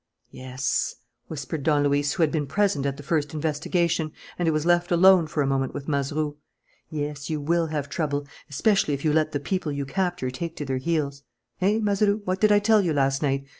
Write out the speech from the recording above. "Yes," whispered Don Luis, who had been present at the first investigation and who was left alone for a moment with Mazeroux. "Yes, you will have trouble, especially if you let the people you capture take to their heels. Eh, Mazeroux, what did I tell you last night?